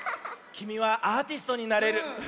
きみはアーティストになれる。